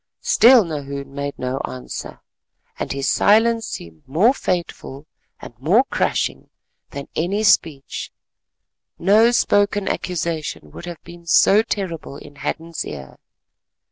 Still Nahoon made no answer, and his silence seemed more fateful and more crushing than any speech; no spoken accusation would have been so terrible in Hadden's ear.